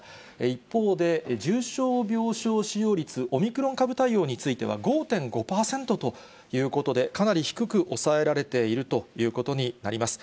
一方で、重症病床使用率、オミクロン株対応については、５．５％で、かなり低く抑えられているということになります。